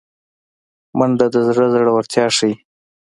منډه د زړه زړورتیا ښيي